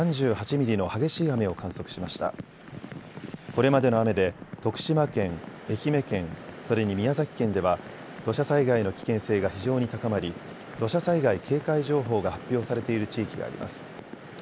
これまでの雨で徳島県、愛媛県、それに宮崎県では土砂災害の危険性が非常に高まり土砂災害警戒情報が発表されている地域があります。